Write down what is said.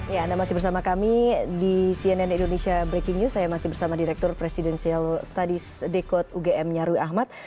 ya anda masih bersama kami di cnn indonesia breaking news saya masih bersama direktur presidential studies dekod ugm nyarwi ahmad